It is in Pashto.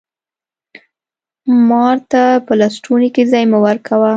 مار ته په لستوڼي کي ځای مه ورکوه!